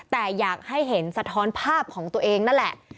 แต่อยากให้เห็นสะท้อนภาพของตัวเองนั่นแหละ